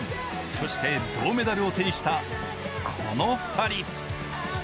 そして、銅メダルを手にしたこの２人。